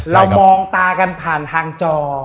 เรามองตากันผ่านทางจอ